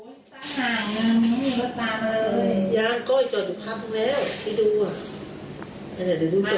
เนี่ยขันนี้ตีออกเลยนะ